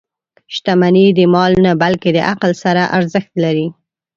• شتمني د مال نه، بلکې د عقل سره ارزښت لري.